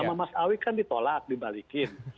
sama mas awi kan ditolak dibalikin